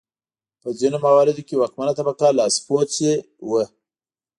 په ځینو مواردو کې واکمنه طبقه لاسپوڅي وو.